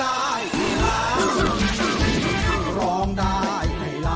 หรือบ่นทุกคนต้องเยี่ยมสุขภูมิดัน